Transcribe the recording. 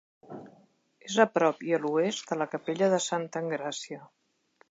És a prop i a l'oest de la capella de Santa Engràcia.